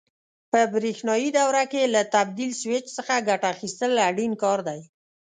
په برېښنایي دوره کې له تبدیل سویچ څخه ګټه اخیستل اړین کار دی.